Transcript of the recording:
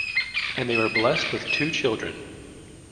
And they are blessed with two children.